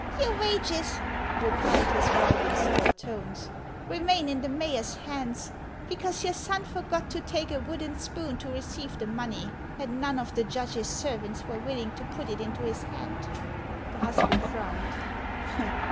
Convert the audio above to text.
" Your wages," replied his wife in sour tones, "remain in the mayor's hands, because your son forgot to take a wooden spoon to receive the money, and none of the judge's servants were willing to put it into his hand." The husband frowned.